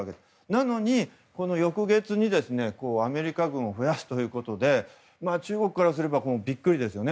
なのに翌月にアメリカ軍を増やすということで中国からすればビックリですよね